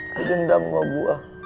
dia dendam sama gua